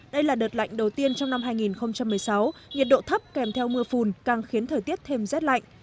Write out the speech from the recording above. đây là đợt lạnh đầu tiên trong năm hai nghìn một mươi sáu nhiệt độ thấp kèm theo mưa phùn càng khiến thời tiết thêm rét lạnh